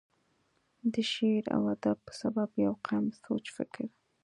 دَ شعر و ادب پۀ سبب دَ يو قام سوچ فکر،